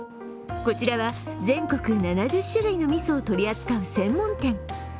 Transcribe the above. こちらは全国７０種類のみそを取り扱う専門店。